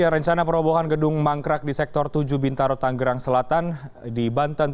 rencana perobohan gedung mangkrak di sektor tujuh bintaro tanggerang selatan di banten